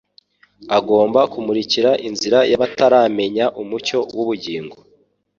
agomba kumurikira inzira y’abataramenya Umucyo w’Ubugingo.